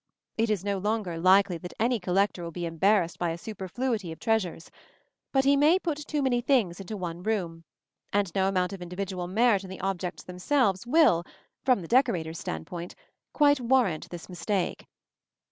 It is no longer likely that any collector will be embarrassed by a superfluity of treasures; but he may put too many things into one room, and no amount of individual merit in the objects themselves will, from the decorator's standpoint, quite warrant this mistake.